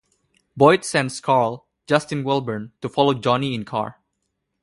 Boyd sends Carl (Justin Welborn) to follow Johnny in car.